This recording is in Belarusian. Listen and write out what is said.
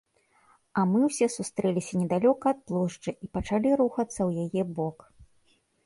А мы ўсе сустрэліся недалёка ад плошчы і пачалі рухацца ў яе бок.